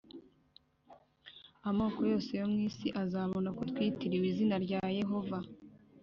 Amoko yose yo mu isi azabona ko witiriwe izina rya Yehova,